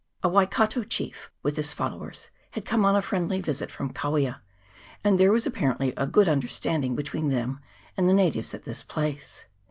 A Waikato chief, with his followers, had come on a friendly visit from Kawia, and there was apparently a good understanding between them and the natives at this place.